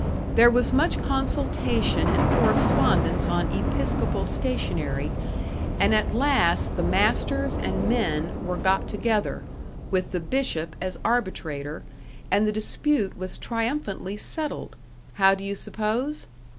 There was much consultation and correspondence on episcopal stationery, and at last the masters and men were got together, with the Bishop as arbitrator, and the dispute was triumphantly settled how do you suppose?